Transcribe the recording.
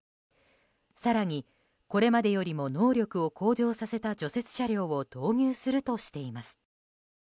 更に、これまでよりも能力を向上させた除雪車両を導入するとしています。